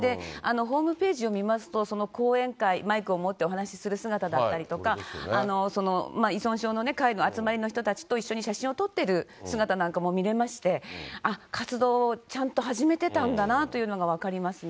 ホームページを見ますと、その講演会、マイクを持ってお話しする姿だったりとか、依存症のね、会の集まりの人たちと一緒に写真を撮ってる姿なんかも見れまして、活動をちゃんと始めてたんだなというのが分かりますね。